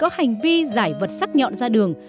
hành vi giải vật sắc nhọn ra đường